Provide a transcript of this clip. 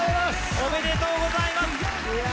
おめでとうございます！